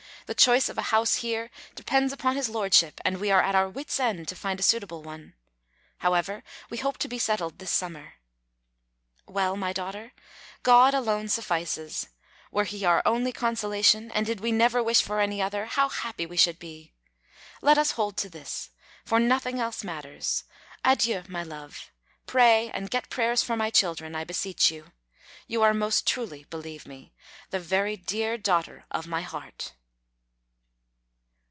The choice of a house here depends upon his Lordship, and we are at our wits' end to find a suitable one; however, we hope to be settled this summer. Well, my daughter, God alone suffices; were He our only consolation, and did we never wish for any other, how happy we should be! Let us hold to this, for nothing else matters. Adieu, my love. Pray, and get prayers for my children, I beseech you. You are most truly, believe me, the very dear daughter of my heart.